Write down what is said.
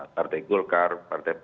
partai golkar partai pan p tiga